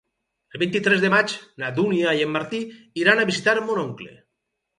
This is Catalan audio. El vint-i-tres de maig na Dúnia i en Martí iran a visitar mon oncle.